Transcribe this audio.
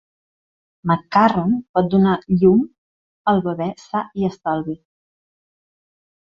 McCarron pot donar llum al bebè sa i estalvi.